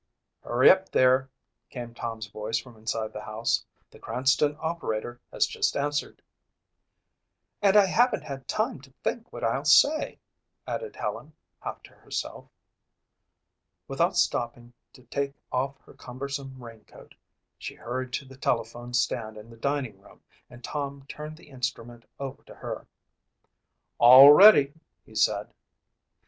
"Hurry up there," came Tom's voice from inside the house. "The Cranston operator has just answered." "And I haven't had time to think what I'll say," added Helen, half to herself. Without stopping to take off her cumbersome raincoat, she hurried to the telephone stand in the dining room and Tom turned the instrument over to her. "All ready," he said.